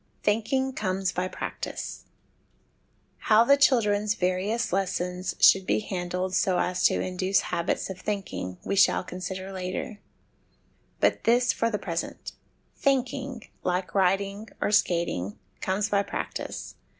Thinking comes by Practice. How the chil dren's various lessons should be handled so as to induce habits of thinking, we shall consider later ; but this for the present : thinking, like writing or skating, comes by practice.